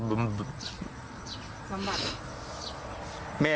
ปรับบัตร